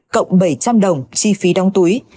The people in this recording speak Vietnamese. cộng bảy trăm linh đồng chi phí đóng túi